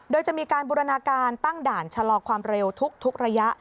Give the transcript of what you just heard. โดยจะมีการบูรณาการตั้งด่านชะลอความเร็วทุกระยะ